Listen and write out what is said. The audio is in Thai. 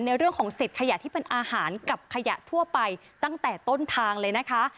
เรื่องของสิทธิ์ขยะที่เป็นอาหารกับขยะทั่วไปตั้งแต่ต้นทางเลยนะคะ